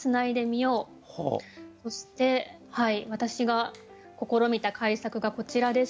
そして私が試みた改作がこちらです。